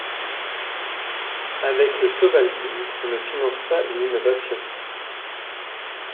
Avec le Sovaldi on ne finance pas une innovation.